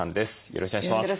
よろしくお願いします。